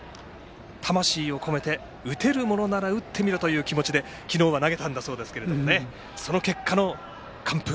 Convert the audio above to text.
魂を込めて打てるものなら打ってみろという気持ちで昨日は投げたんだそうですけれどもその結果の完封。